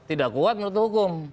tidak kuat menurut hukum